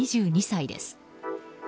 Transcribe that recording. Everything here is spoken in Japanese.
２２歳です。